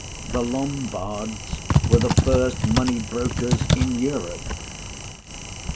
The Lombards were the first money brokers in Europe."